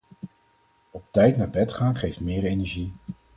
Op tijd naar bed gaan geeft meer energie